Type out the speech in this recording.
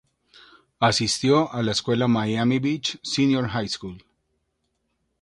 Asistió a la escuela Miami Beach Senior High School.